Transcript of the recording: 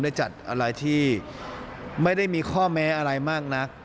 ได้จัดอะไรที่ไม่ได้มีข้อแม้อะไรมากนัก